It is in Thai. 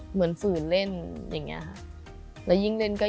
เหมือนฝืนเล่นอย่างนี้ค่ะ